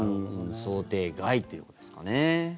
想定外ということですかね。